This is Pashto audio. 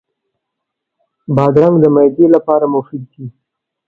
بادرنګ د معدې لپاره مفید دی.